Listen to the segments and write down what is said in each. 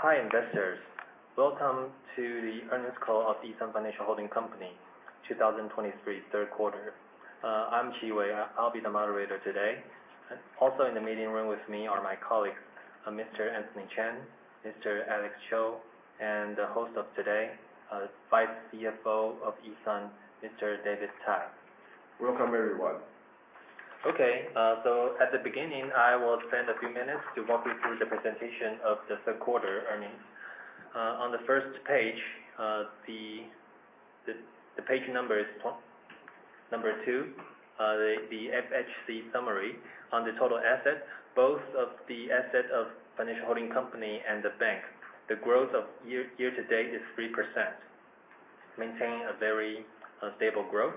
Hi, investors. Welcome to the earnings call of E.SUN Financial Holding Company 2023 third quarter. I'm Qi Wei, I'll be the moderator today. Also in the meeting room with me are my colleagues, Mr. Anthony Cheng, Mr. Alex Chou, and the host of today, Vice CFO of E.SUN, Mr. David Tai. Welcome, everyone. At the beginning, I will spend a few minutes to walk you through the presentation of the third quarter earnings. On the first page, the page number is number two, the FHC summary on the total assets, both of the asset of Financial Holding Company and the bank. The growth of year-to-date is 3%, maintaining a very stable growth.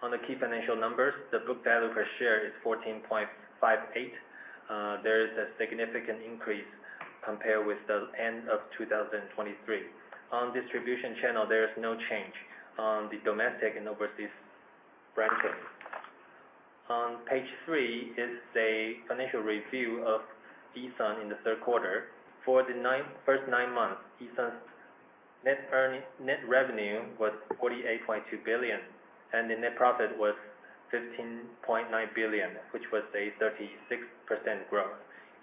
On the key financial numbers, the book value per share is 14.58. There is a significant increase compared with the end of 2023. On distribution channel, there is no change on the domestic and overseas branching. On page three is a financial review of E.SUN in the third quarter. For the first nine months, E.SUN's net revenue was 48.2 billion, and the net profit was 15.9 billion, which was a 36% growth.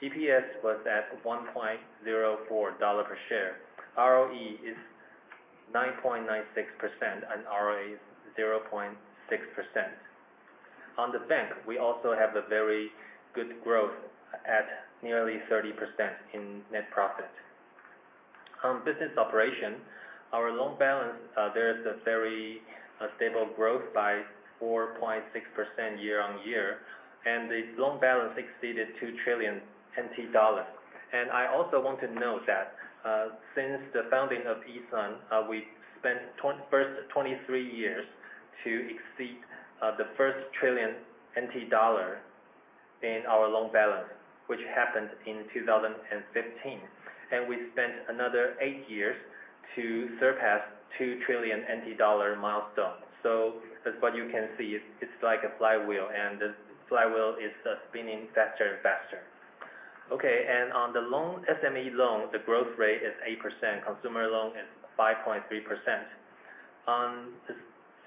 EPS was at 1.04 dollar per share. ROE is 9.96%, and ROA is 0.6%. On the bank, we also have a very good growth at nearly 30% in net profit. On business operation, our loan balance, there is a very stable growth by 4.6% year-on-year, and the loan balance exceeded 2 trillion NT dollars. I also want to note that since the founding of E.SUN, we spent first 23 years to exceed the first trillion TWD in our loan balance, which happened in 2015. We spent another eight years to surpass 2 trillion NT dollar milestone. That's what you can see. It's like a flywheel, and the flywheel is spinning faster and faster. On the SME loan, the growth rate is 8%, consumer loan is 5.3%. On the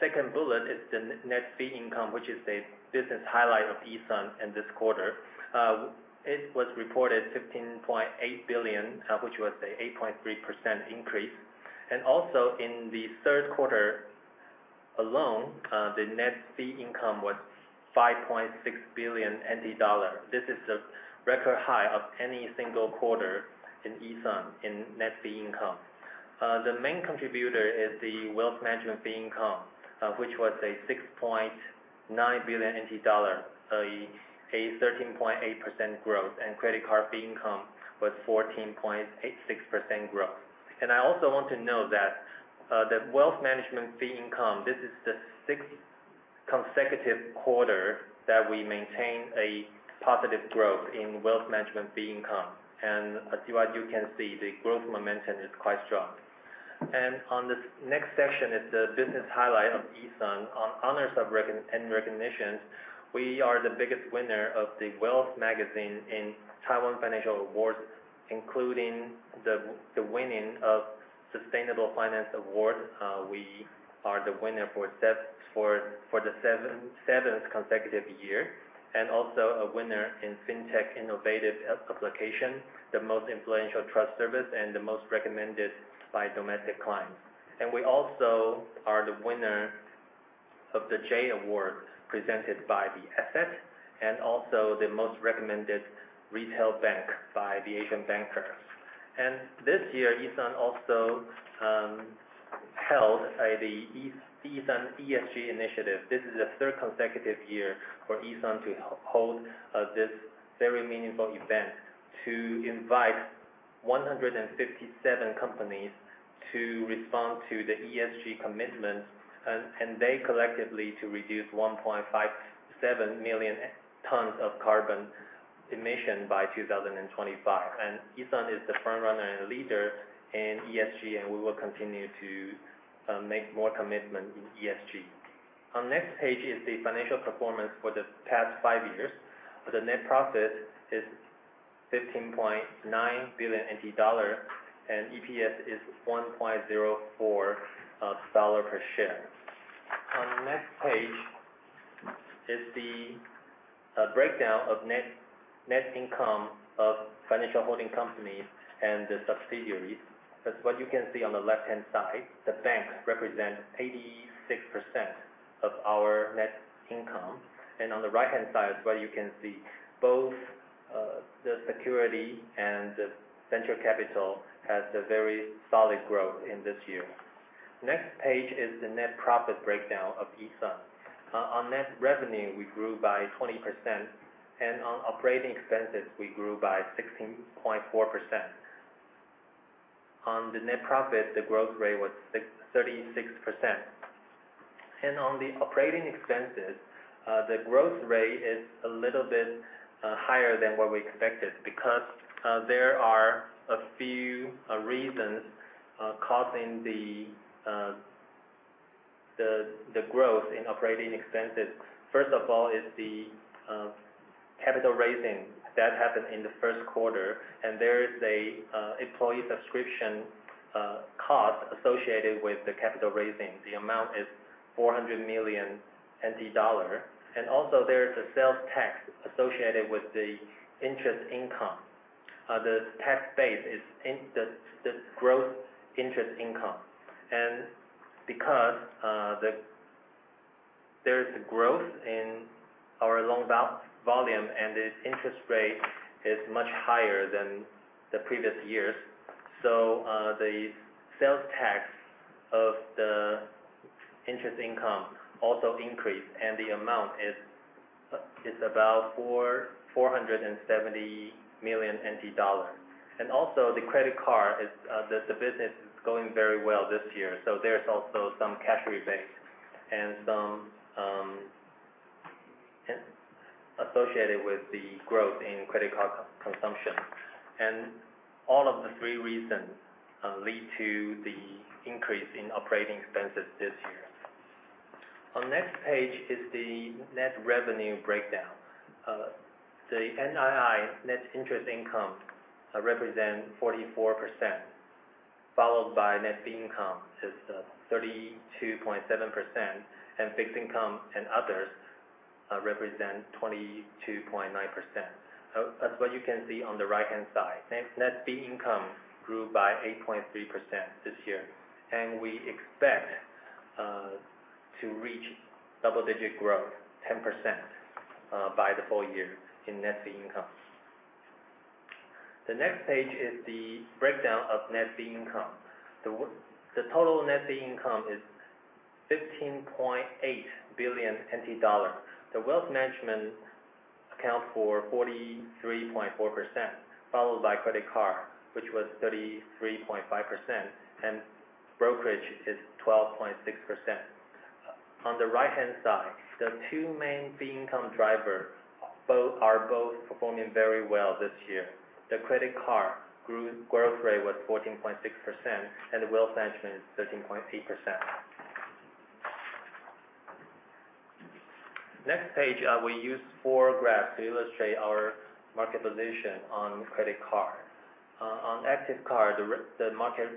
second bullet is the net fee income, which is a business highlight of E.SUN in this quarter. It was reported 15.8 billion, which was a 8.3% increase. In the third quarter alone, the net fee income was 5.6 billion NT dollar. This is a record high of any single quarter in E.SUN in net fee income. The main contributor is the wealth management fee income, which was 6.9 billion NT dollar, a 13.8% growth, and credit card fee income was 14.86% growth. I also want to note that the wealth management fee income, this is the sixth consecutive quarter that we maintain a positive growth in wealth management fee income. As you can see, the growth momentum is quite strong. On the next section is the business highlight of E.SUN. On honors and recognitions, we are the biggest winner of the Wealth Magazine in Taiwan Financial Awards, including the winning of Sustainable Finance Award. We are the winner for the seventh consecutive year, also a winner in FinTech Innovative Application, the most influential trust service, and the most recommended by domestic clients. We also are the winner of the Triple A Awards presented by The Asset, also the most recommended retail bank by The Asian Banker. This year, E.SUN also held the E.SUN ESG Initiative. This is the third consecutive year for E.SUN to hold this very meaningful event, to invite 157 companies to respond to the ESG commitment, and they collectively to reduce 1.57 million tons of carbon emission by 2025. E.SUN is the front runner and leader in ESG, and we will continue to make more commitment in ESG. On next page is the financial performance for the past five years. The net profit is 15.9 billion NT dollar, and EPS is 1.04 dollar per share. On next page is the breakdown of net income of financial holding companies and the subsidiaries. That's what you can see on the left-hand side. The bank represents 86% of our net income. On the right-hand side, what you can see, both the security and the Venture Capital has a very solid growth in this year. Next page is the net profit breakdown of E.SUN. On net revenue, we grew by 20%, and on operating expenses, we grew by 16.4%. On the net profit, the growth rate was 36%. On the operating expenses, the growth rate is a little bit higher than what we expected because there are a few reasons causing the growth in operating expenses, first of all, is the capital raising that happened in the first quarter, and there is an employee subscription cost associated with the capital raising. The amount is 400 million NT dollar. Also, there is a sales tax associated with the interest income. The tax base is the growth interest income. Because there is a growth in our loan volume, and the interest rate is much higher than the previous years, the sales tax of the interest income also increased, and the amount is about 470 million NT dollars. Also, the credit card business is going very well this year, so there's also some cash rebates associated with the growth in credit card consumption. All of the three reasons lead to the increase in operating expenses this year. On next page is the net revenue breakdown. The NII, net interest income, represents 44%, followed by net fee income is 32.7%, and fixed income and others represent 22.9%. That's what you can see on the right-hand side. Net fee income grew by 8.3% this year. We expect to reach double-digit growth, 10% by the full year in net fee income. The next page is the breakdown of net fee income. The total net fee income is 15.8 billion NT dollars. Wealth management accounts for 43.4%, followed by credit card, which was 33.5%, and brokerage is 12.6%. On the right-hand side, the two main fee income drivers are both performing very well this year. The credit card growth rate was 14.6%, and the wealth management is 13.8%. Next page, we use four graphs to illustrate our market position on credit card. On active card, the market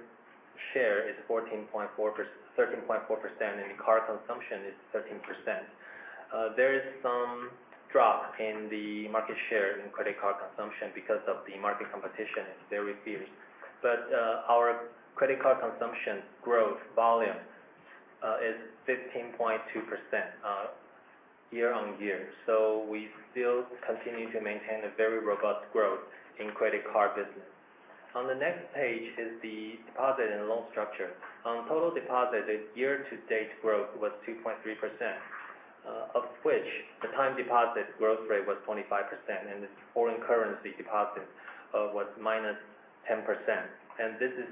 share is 13.4%, and the card consumption is 13%. There is some drop in the market share in credit card consumption because of the market competition. It's very fierce. Our credit card consumption growth volume is 15.2% year-on-year. We still continue to maintain a very robust growth in credit card business. On the next page is the deposit and loan structure. On total deposit, its year-to-date growth was 2.3%, of which the time deposit growth rate was 25% and the foreign currency deposit was -10%. This is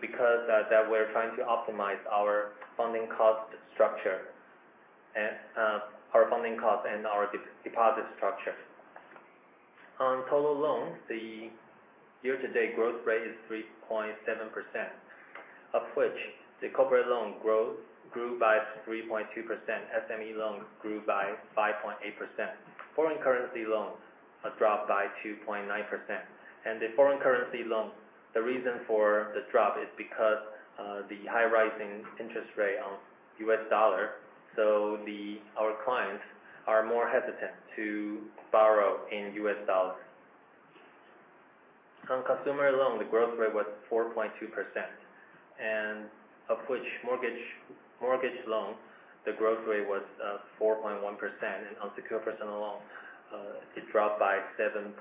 because that we're trying to optimize our funding cost and our deposit structure. On total loans, the year-to-date growth rate is 3.7%, of which the corporate loan grew by 3.2%. SME loans grew by 5.8%. Foreign currency loans dropped by 2.9%. The foreign currency loan, the reason for the drop is because of the high rising interest rate on US dollar. Our clients are more hesitant to borrow in US dollars. On consumer loan, the growth rate was 4.2%, of which mortgage loan, the growth rate was 4.1%, and unsecured personal loan, it dropped by 7.6%.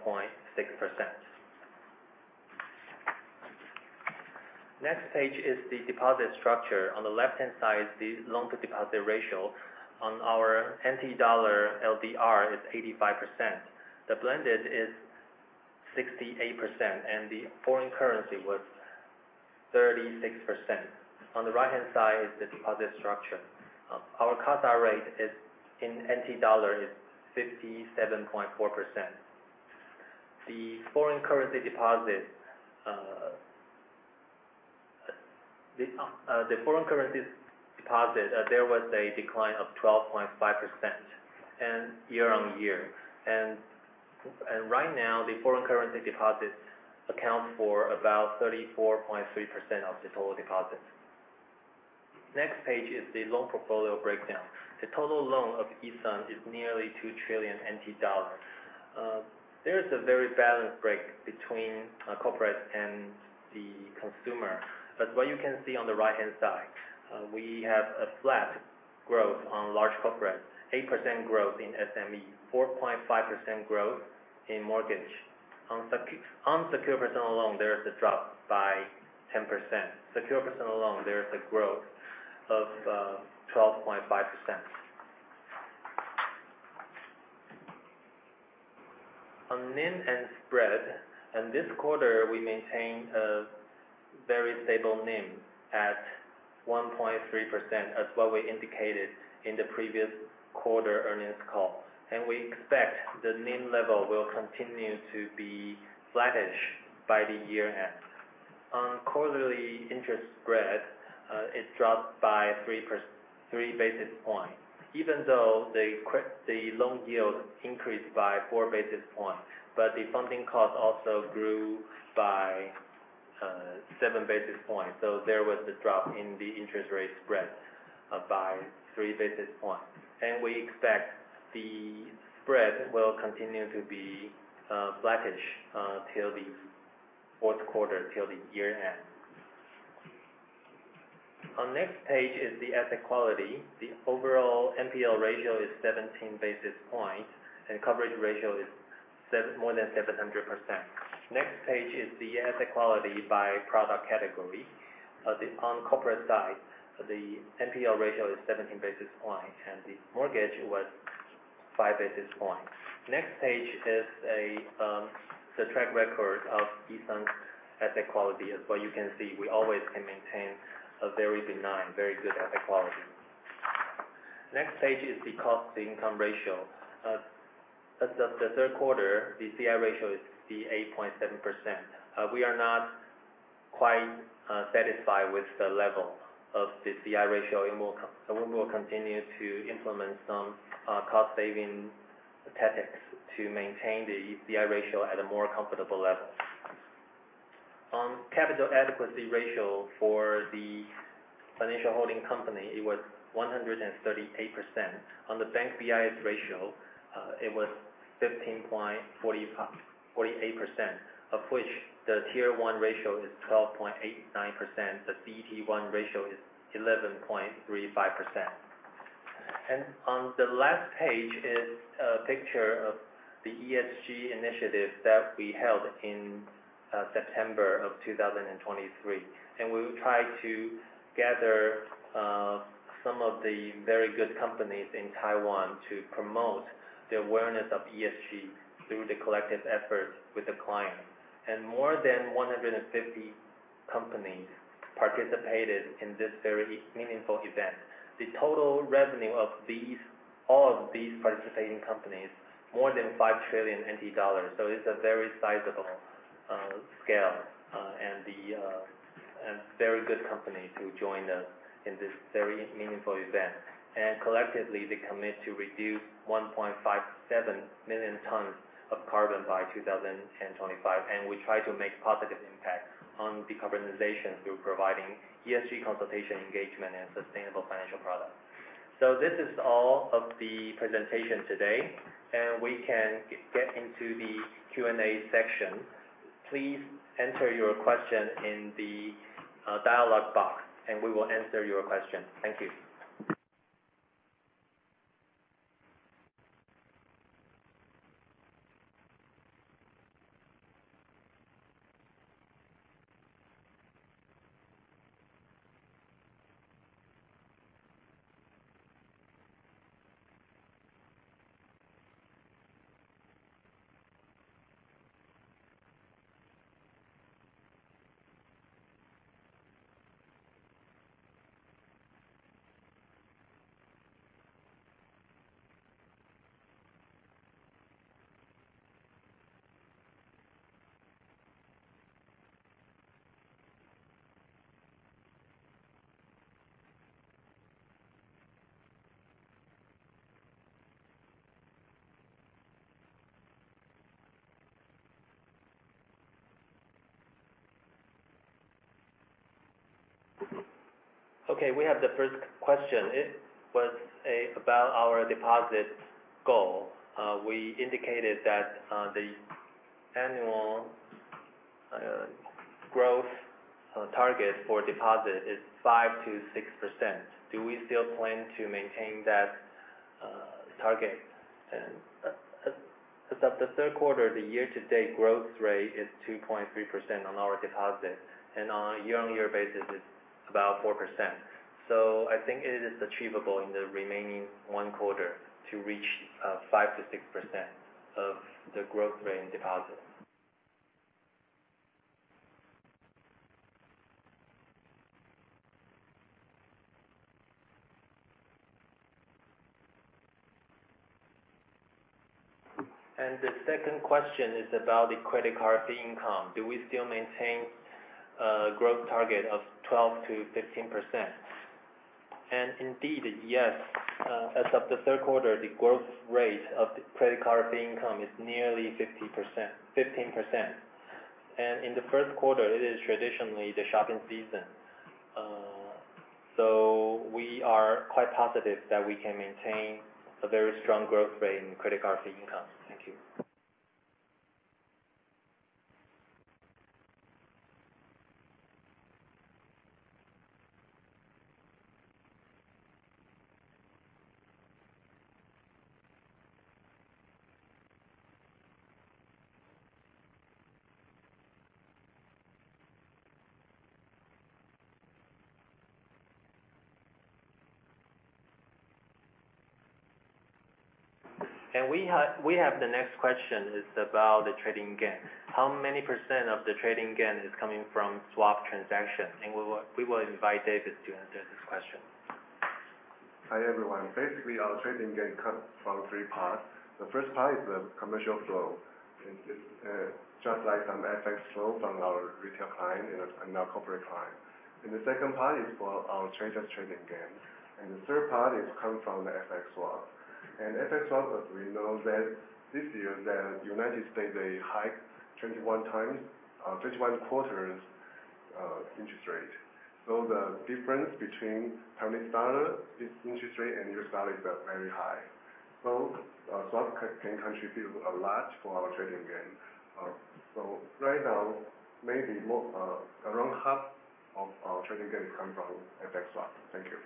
Next page is the deposit structure. On the left-hand side, the loan-to-deposit ratio on our TWD LDR is 85%. The blended is 68%, and the foreign currency was 36%. On the right-hand side is the deposit structure. Our CASA rate in TWD is 57.4%. The foreign currency deposit, there was a decline of 12.5% year-on-year. Right now, the foreign currency deposits account for about 34.3% of the total deposits. Next page is the loan portfolio breakdown. The total loan of E.SUN is nearly 2 trillion NT dollars. There is a very balanced break between corporate and the consumer. What you can see on the right-hand side, we have a flat growth on large corporate, 8% growth in SME, 4.5% growth in mortgage. On unsecured personal loan, there is a drop by 10%. Secured personal loan, there is a growth of 12.5%. On NIM and spread, in this quarter, we maintained a very stable NIM at 1.3%, as what we indicated in the previous quarter earnings call. We expect the NIM level will continue to be flattish by the year-end. On quarterly interest spread, it dropped by three basis points, even though the loan yield increased by four basis points, but the funding cost also grew by seven basis points. There was a drop in the interest rate spread by three basis points. We expect the spread will continue to be flattish till the fourth quarter, till the year-end. Next page is the asset quality. The overall NPL ratio is 17 basis points, and coverage ratio is more than 700%. Next page is the asset quality by product category. On corporate side, the NPL ratio is 17 basis points, and the mortgage was five basis points. Next page is the track record of E.SUN's asset quality. As you can see, we always can maintain a very benign, very good asset quality. Next page is the cost income ratio. As of the third quarter, the CI ratio is the 8.7%. We are not quite satisfied with the level of the CI ratio, and we will continue to implement some cost-saving tactics to maintain the CI ratio at a more comfortable level. On capital adequacy ratio for the financial holding company, it was 138%. The bank BIS ratio, it was 15.48%, of which the tier 1 ratio is 12.89%, the CET1 ratio is 11.35%. On the last page is a picture of the ESG Initiative that we held in September of 2023. We will try to gather some of the very good companies in Taiwan to promote the awareness of ESG through the collective efforts with the client. More than 150 companies participated in this very meaningful event. The total revenue of all of these participating companies, more than 5 trillion NT dollars, so it's a very sizable scale, and very good company to join us in this very meaningful event. Collectively, they commit to reduce 1.57 million tons of carbon by 2025, and we try to make positive impact on decarbonization through providing ESG consultation, engagement, and sustainable financial products. This is all of the presentation today, we can get into the Q&A section. Please enter your question in the dialogue box, we will answer your question. Thank you. Okay, we have the first question. It was about our deposit goal. We indicated that the annual growth target for deposit is 5%-6%. Do we still plan to maintain that target? As of the third quarter, the year-to-date growth rate is 2.3% on our deposit. On a year-on-year basis, it's about 4%. I think it is achievable in the remaining one quarter to reach 5%-6% of the growth rate in deposit. The second question is about the credit card fee income. Do we still maintain a growth target of 12%-15%? Indeed, yes. As of the third quarter, the growth rate of the credit card fee income is nearly 15%. In the first quarter, it is traditionally the shopping season. We are quite positive that we can maintain a very strong growth rate in credit card fee income. Thank you. We have the next question. It's about the trading gain. How many % of the trading gain is coming from swap transaction? We will invite David to answer this question. Hi, everyone. Basically, our trading gain comes from three parts. The first part is the commercial flow. It is just like some FX flow from our retail client and our corporate client. The second part is for our traders' trading gain. The third part is come from the FX swap. FX swap, as we know that this year the United States, they hiked 21 times, 21 quarters interest rate. The difference between Taiwanese dollar, its interest rate, and U.S. dollar is very high. Swap can contribute a lot for our trading gain. Right now, maybe around half of our trading gain is coming from FX swap. Thank you.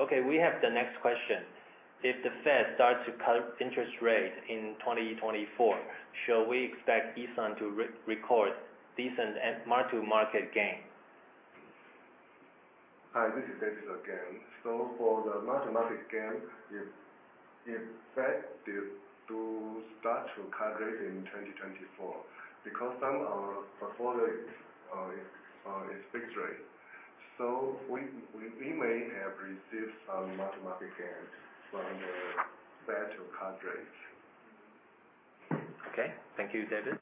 Okay, we have the next question. If the Fed starts to cut interest rates in 2024, shall we expect E.SUN to record decent mark-to-market gain? Hi, this is David again. For the mark-to-market gain, if Fed do start to cut rates in 2024, because some of our portfolio is fixed rate, we may have received some mark-to-market gains from the Fed to cut rates. Okay. Thank you, David.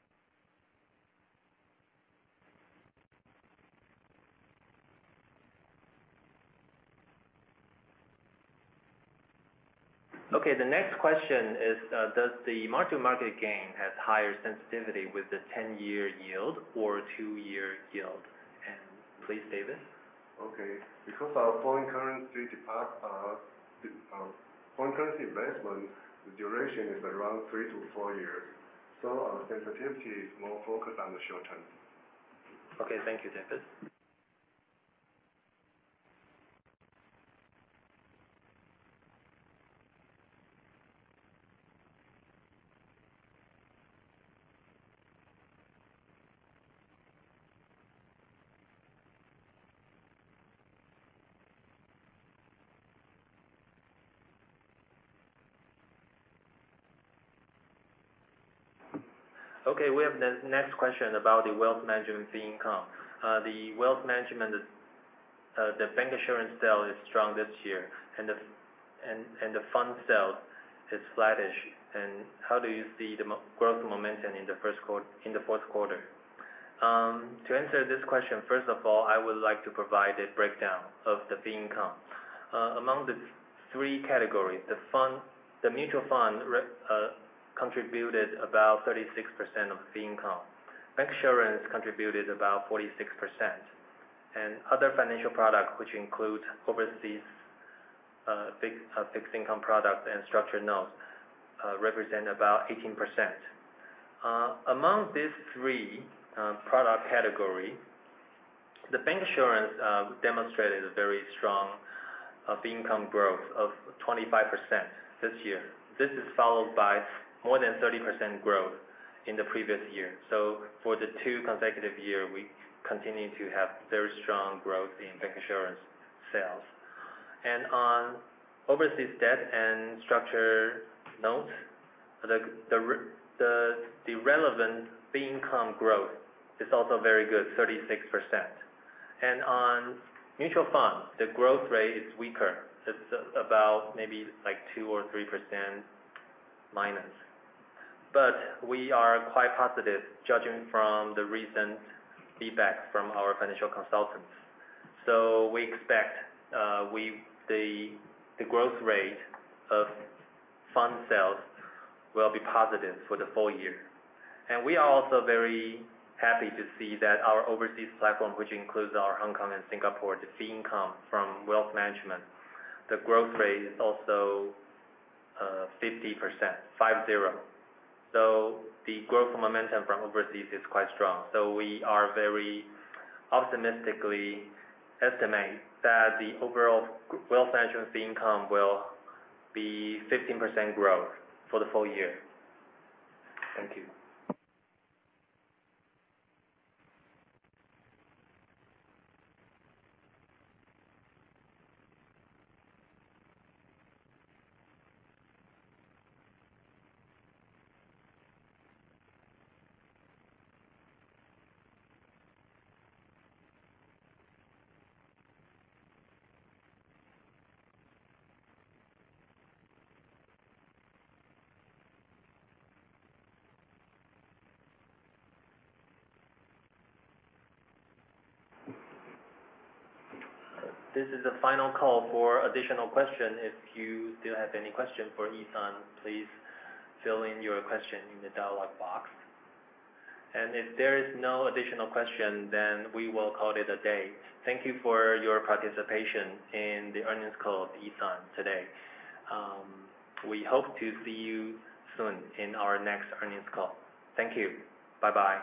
The next question is, does the mark-to-market gain have higher sensitivity with the 10-year yield or two-year yield? Please, David. Because our foreign currency investment duration is around three to four years, our sensitivity is more focused on the short term. Thank you, David. We have the next question about the wealth management fee income. The wealth management, the bancassurance sale is strong this year and the fund sale is flattish. How do you see the growth momentum in the fourth quarter? To answer this question, first of all, I would like to provide a breakdown of the fee income. Among the three categories, the mutual fund contributed about 36% of fee income. Bancassurance contributed about 46%. Other financial products, which include overseas fixed income products and structured notes represent about 18%. Among these three product category, the bancassurance demonstrated a very strong fee income growth of 25% this year. This is followed by more than 30% growth in the previous year. For the two consecutive year, we continue to have very strong growth in bancassurance sales. On overseas debt and structured notes, the relevant fee income growth is also very good, 36%. On mutual funds, the growth rate is weaker. It's about maybe two or 3% minus. We are quite positive judging from the recent feedback from our financial consultants. We expect the growth rate of fund sales will be positive for the full year. We are also very happy to see that our overseas platform, which includes our Hong Kong and Singapore, the fee income from wealth management, the growth rate is also 50%, five, zero. The growth momentum from overseas is quite strong. We are very optimistically estimate that the overall wealth management fee income will be 15% growth for the full year. Thank you. This is the final call for additional question. If you still have any question for E.SUN, please fill in your question in the dialogue box. If there is no additional question, we will call it a day. Thank you for your participation in the earnings call of E.SUN today. We hope to see you soon in our next earnings call. Thank you. Bye-bye.